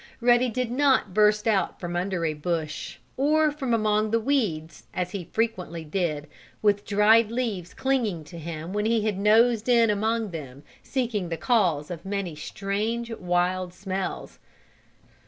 Ruddy did not burst out from under a bush, or from among the weeds, as he frequently did, with dried leaves clinging to him when he had nosed in among them seeking the cause of many strange, wild smells.